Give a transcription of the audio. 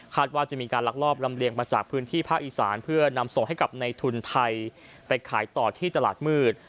ว่าจะมีการลักลอบลำเลียงมาจากพื้นที่ภาคอีสานเพื่อนำส่งให้กับในทุนไทยไปขายต่อที่ตลาดมืด